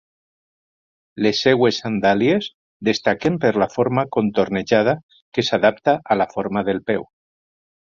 Les seves sandàlies destaquen per la forma contornejada que s'adapta a la forma del peu.